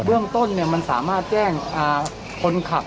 เรื่องต้นมันสามารถแจ้งคนขับ